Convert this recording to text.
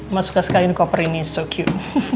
mas suka sekaliin koper ini sangat kacak